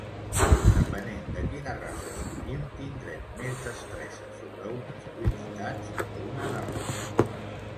Depenent de quina raça escollim tindrem més destresa sobre unes habilitats o unes altres.